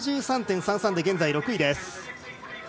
６３．３３で現在６位です。